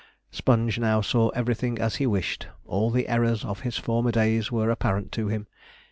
Sponge now saw everything as he wished. All the errors of his former days were apparent to him.